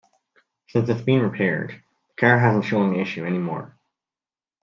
Since it's been repaired, the car hasn't shown the issue any more.